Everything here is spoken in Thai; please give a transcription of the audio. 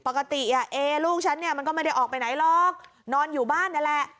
ปกติเอลูกฉันเนี่ยมันก็ไม่ได้ออกไปไหนหรอกนอนอยู่บ้านนี่แหละ